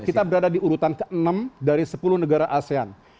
kita berada di urutan ke enam dari sepuluh negara asean